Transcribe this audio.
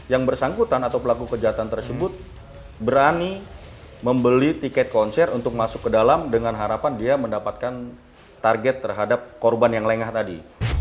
yang bersangkutan atau pelaku kejahatan tersebut berani membeli tiket konser untuk masuk ke dalam dengan harapan dia mendapatkan target terhadap korban yang lengah tadi